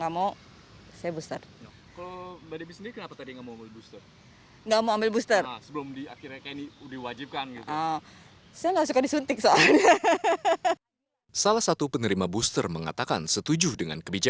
misalnya si spreading the virusnya gitu